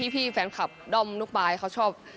พี่แฟนคลับด้อมลูกปลายเขาชอบ